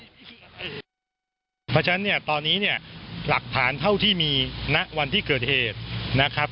เพราะฉะนั้นเนี่ยตอนนี้เนี่ยหลักฐานเท่าที่มีณวันที่เกิดเหตุนะครับ